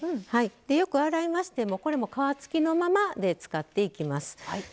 よく洗いましてこれも皮付きのままで使っていきます。